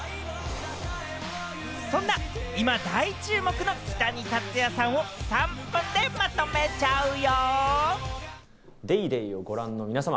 そんな今、大注目のキタニタツヤさんを３分でまとめちゃうよ！